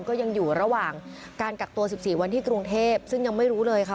ก็ยังอยู่ระหว่างการกักตัว๑๔วันที่กรุงเทพซึ่งยังไม่รู้เลยค่ะ